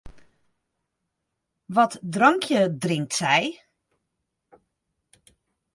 Wat drankje drinkt sy?